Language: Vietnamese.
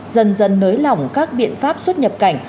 dần dần nới lỏng các biện pháp xuất nhập cảnh